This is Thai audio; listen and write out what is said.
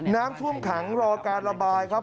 น้ำท่วมขังรอการระบายครับ